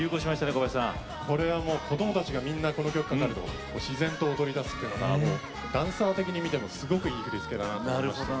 これは子どもたちがみんなこの曲がかかると自然と踊りだすっていうのがダンサー的に見てもすごくいい振り付けだなと思いました。